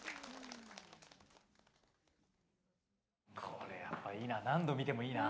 これやっぱいいな。